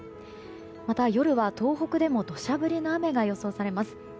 また、夜は東北でも土砂降りの雨が予想されます。